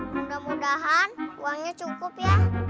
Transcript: mudah mudahan uangnya cukup ya